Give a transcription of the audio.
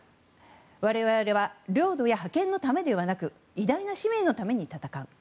我々は領土や覇権のためではなく偉大な使命のために戦う。